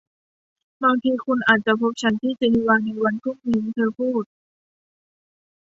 บางทีคุณอาจจะพบฉันที่เจนีวาในวันพรุ่งนี้เธอพูด